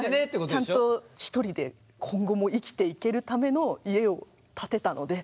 ちゃんと１人で今後も生きていけるための家を建てたので。